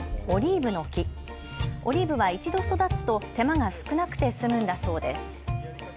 オリーブは一度育つと手間が少なくて済むんだそうです。